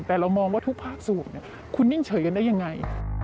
แต่เรามองว่าทุกภาคส่วนคุณนิ่งเฉยกันได้ยังไง